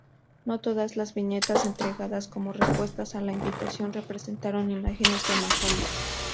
No todas las viñetas entregadas como respuesta a la invitación representaron imágenes de Mahoma.